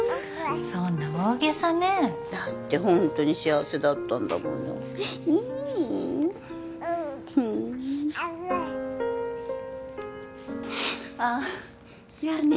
そんな大げさねだってホントに幸せだったんだものねえあっやあね